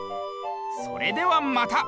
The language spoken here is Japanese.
それではまた！